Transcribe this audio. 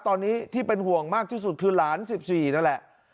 ตอนนี้ที่เป็นห่วงมากที่สุดคือหลาน๑๔นั่นแหละ